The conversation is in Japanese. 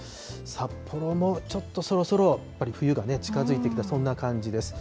札幌もちょっとそろそろ、冬が近づいてきた、そんな感じです。